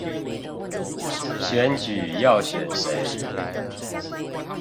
選舉要選誰